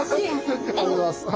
ありがとうございます。